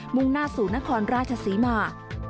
มุงนาสู่นครราชศรีมา